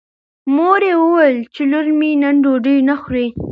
مور یې وویل چې لور مې نن ډوډۍ نه خوري.